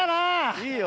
いいよ